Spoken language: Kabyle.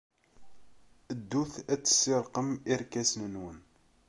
Ddut ad tessirrqem irkasen-nwen!